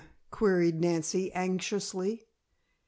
queried Nancy anxiously.